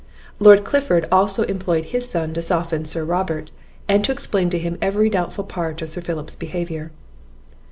Lord Clifford also employed his son to soften Sir Robert, and to explain to him every doubtful part of Sir Philip's behaviour.